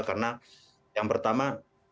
karena yang pertama